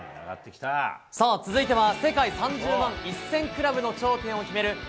続いては世界３０万１０００クラブの頂点を決める